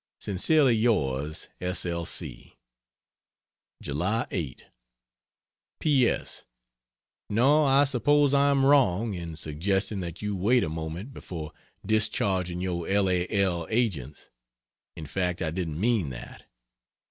Sincerely Yours S. L. C. July 8 P. S. No, I suppose I am wrong in suggesting that you wait a moment before discharging your L. A. L. agents in fact I didn't mean that.